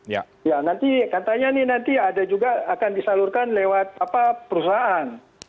ya nanti katanya nih nanti ada juga akan disalurkan lewat perusahaan